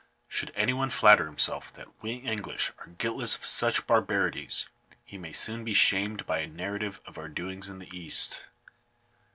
Should any one flatter himself that we English are guiltless of such barbarities, he may soon be shamed by a nar rative of our doings in the East.